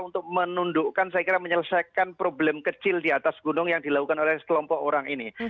untuk menundukkan saya kira menyelesaikan problem kecil di atas gunung yang dilakukan oleh sekelompok orang ini